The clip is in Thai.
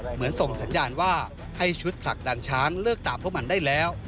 ส่งสัญญาณว่าให้ชุดผลักดันช้างเลิกตามพวกมันได้แล้ว